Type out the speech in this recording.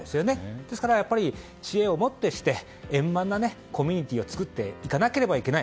ですから、知恵をもってして円満なコミュニティーを作っていかなければいけない。